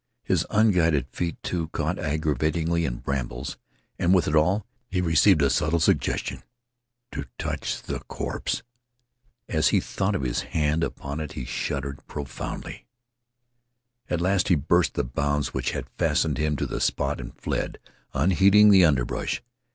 His unguided feet, too, caught aggravatingly in brambles; and with it all he received a subtle suggestion to touch the corpse. As he thought of his hand upon it he shuddered profoundly. At last he burst the bonds which had fastened him to the spot and fled, unheeding the underbrush.